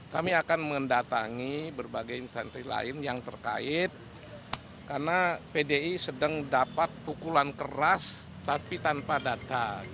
kami akan mendatangi berbagai instansi lain yang terkait karena pdi sedang dapat pukulan keras tapi tanpa datang